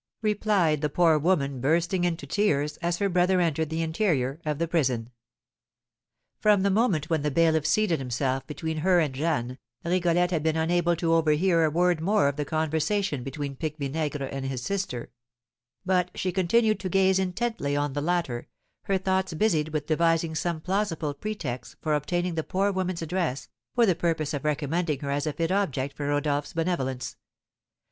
replied the poor woman, bursting into tears, as her brother entered the interior of the prison. From the moment when the bailiff seated himself between her and Jeanne, Rigolette had been unable to overhear a word more of the conversation between Pique Vinaigre and his sister; but she continued to gaze intently on the latter, her thoughts busied with devising some plausible pretext for obtaining the poor woman's address, for the purpose of recommending her as a fit object for Rodolph's benevolence.